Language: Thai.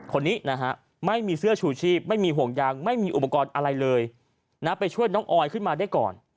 คนนี้นะฮะไม่มีเสื้อชูชีพไม่มีห่วงยางไม่มีอุปกรณ์อะไรเลยนะไปช่วยน้องออยขึ้นมาได้ก่อน